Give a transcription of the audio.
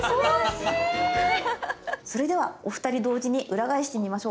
それではお二人同時に裏返してみましょう。